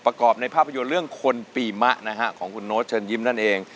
ประกอบในภาพยนตร์เรื่องคนปีมะนะฮะของคุณโน๊ตเชิญยิ้มนั่นเอง